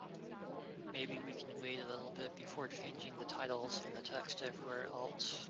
Maybe we can wait a little bit before changing the titles and the text everywhere else?